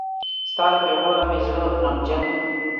ستا له پېغوره مې زړه غمجن دی.